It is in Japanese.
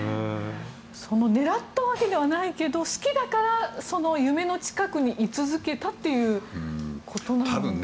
狙ったわけではないけど好きだから、その夢の近くに居続けたということなんですね。